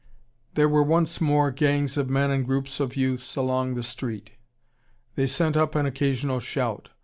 There were once more gangs of men and groups of youths along the street. They sent up an occasional shout.